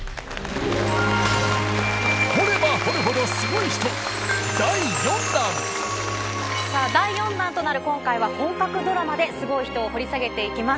掘れば掘るほどスゴイ人第４第４弾となる今回は、本格ドラマですごい人を掘り下げていきます。